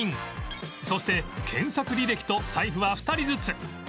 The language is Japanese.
そして検索履歴と財布は２人ずつ